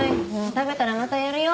食べたらまたやるよ。